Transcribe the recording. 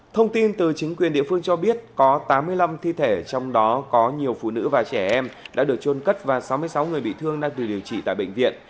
thông tin từ chính quyền địa phương cho biết có tám mươi năm thi thể trong đó có nhiều phụ nữ và trẻ em đã được trôn cất và sáu mươi sáu người bị thương đang được điều trị tại bệnh viện